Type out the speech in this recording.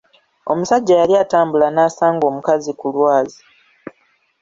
Omusajja yali atambula nasanga omukazi ki lwazi.